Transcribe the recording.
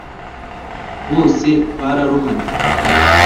bose bararohamye